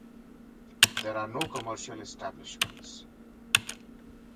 There are no commercial establishments.